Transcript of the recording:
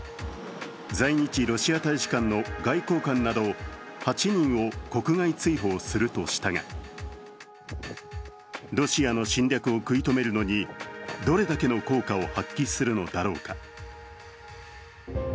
在日ロシア大使館の外交官など８人を国外追放するとしたがロシアの侵略を食い止めるのにどれだけの効果を発揮するのだろうか。